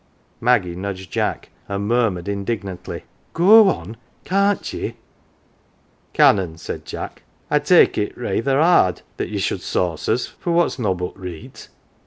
Maggie nudged Jack and murmured indignantly, " Go on kian't ye ?"" Canon," said Jack, " I take it rayther 'ard that ye should sauce us for what's nobbut reet.